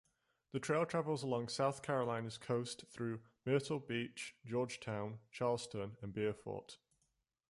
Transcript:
The trail travels along South Carolina's coast through Myrtle Beach, Georgetown, Charleston, and Beaufort.